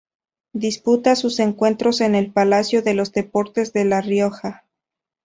Disputa sus encuentros en el Palacio de los Deportes de La Rioja.